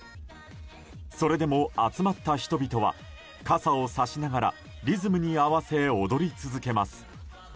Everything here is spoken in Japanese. それでも集まった人々は傘をさしながらリズムに合わせ踊り続けます。